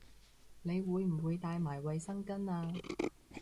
你會唔會帶埋衛生巾吖